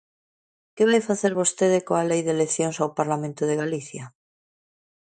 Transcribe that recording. ¿Que vai facer vostede coa Lei de eleccións ao Parlamento de Galiza?